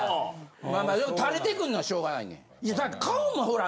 まあまあでも垂れてくるのはしょうがないねん。